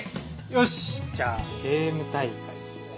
よしじゃあゲーム大会っすね。